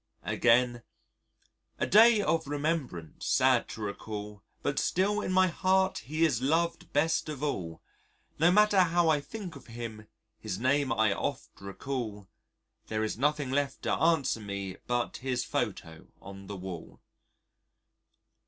'" Again: "A day of remembrance sad to recall But still in my heart he is loved best of all No matter how I think of him his name I oft recall; There is nothing left to answer me but his photo on the wall."